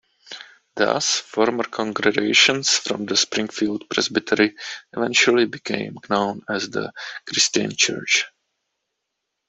Thus, former congregations from the Springfield Presbytery eventually became known as the Christian Church.